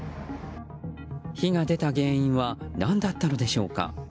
火が出た原因は何だったのでしょうか。